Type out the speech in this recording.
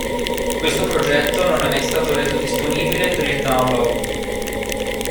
Questo progetto non è mai stato reso disponibile per il download.